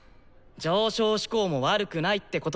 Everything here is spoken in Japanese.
上昇志向も悪くないってことさ。